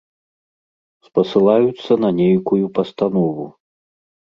Спасылаюцца на нейкую пастанову.